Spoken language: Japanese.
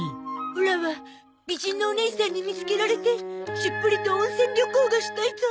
オラは美人のおねいさんに見つけられてしっぽりと温泉旅行がしたいゾ。